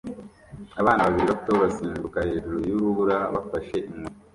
Abana babiri bato basimbuka hejuru yurubura bafashe inkoni